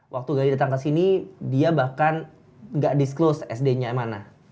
waktu gadi datang ke sini dia bahkan gak disclose sd nya mana